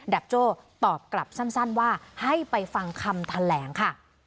ับโจ้ตอบกลับสั้นว่าให้ไปฟังคำแถลงค่ะ